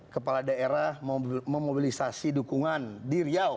kepala daerah memobilisasi dukungan di riau